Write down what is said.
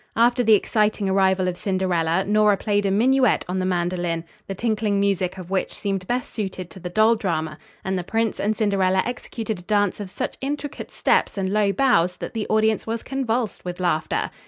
After the exciting arrival of Cinderella, Nora played a minuet on the mandolin, the tinkling music of which seemed best suited to the doll drama, and the prince and Cinderella executed a dance of such intricate steps and low bows that the audience was convulsed with laughter.